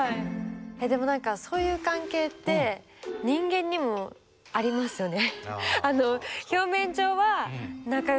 でも何かそういう関係って人間にもありますよね。